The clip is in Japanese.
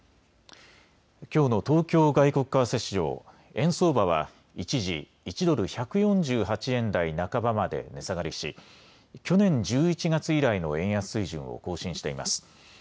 きょうの東京外国為替市場、円相場は一時、１ドル１４８円台半ばまで値下がりし去年１１月以来の円安水準を更新しています。